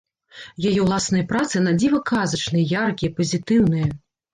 Яе ўласныя працы на дзіва казачныя, яркія, пазітыўныя.